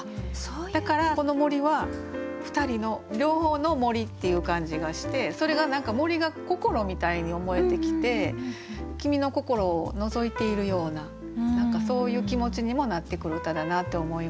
だからこの森は２人の両方の森っていう感じがしてそれが何か森が心みたいに思えてきて君の心をのぞいているような何かそういう気持ちにもなってくる歌だなって思いました。